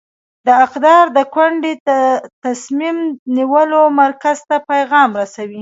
د اقدار د کونډې ته د تصمیم نیولو مرکز ته پیغام رسوي.